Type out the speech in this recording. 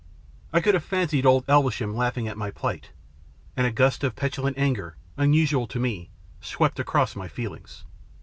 I could have fancied old Elvesham laughing at my plight, and a gust of petulant anger, unusual to me, swept across my feelings.